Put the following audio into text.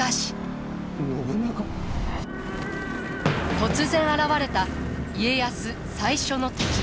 突然現れた家康最初の敵。